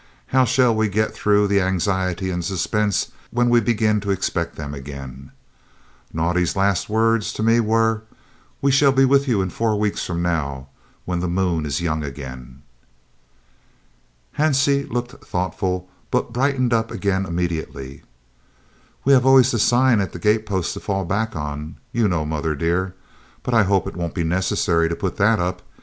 How shall we get through the anxiety and suspense when we begin to expect them again? Naudé's last words to me were, 'We shall be with you four weeks from now, when the moon is young again.'" Hansie looked thoughtful, but brightened up again immediately. "We have always the sign on the gatepost to fall back on, you know, mother dear, but I hope it won't be necessary to put that up.